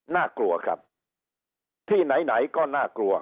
น่ากลัวครับที่ไหนก็น่ากลัว